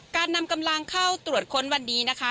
การนำกำลังเข้าตรวจค้นวันนี้นะคะ